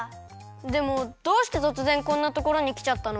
でもどうしてとつぜんこんなところにきちゃったの？